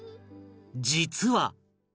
実は